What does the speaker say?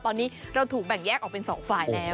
ตอนนี้เราถูกแบ่งแยกออกเป็น๒ฝ่ายแล้ว